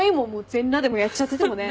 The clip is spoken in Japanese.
全裸でもやっちゃっててもね。